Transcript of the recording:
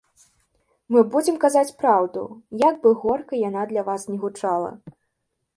Мы будзем казаць праўду, як бы горка яна для вас ні гучала.